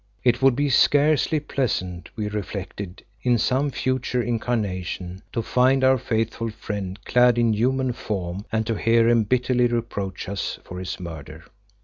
It would be scarcely pleasant, we reflected, in some future incarnation, to find our faithful friend clad in human form and to hear him bitterly reproach us for his murder.